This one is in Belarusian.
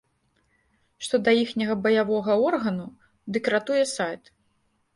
Што да іхняга баявога органу, дык ратуе сайт.